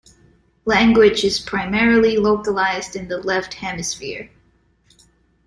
Language is primarily localized in the left hemisphere.